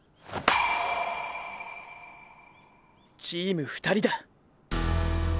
チーム２人だ！